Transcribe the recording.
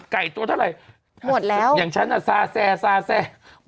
หมวดแล้วอย่างฉันอะซาแทรก